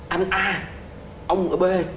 anh a ông ở b